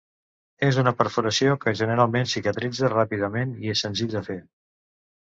És una perforació que generalment cicatritza ràpidament i és senzill de fer.